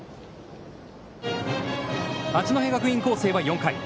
八戸学院光星は４回。